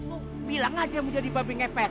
lo bilang aja mau jadi babi ngepet